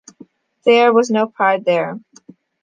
There was no pride there...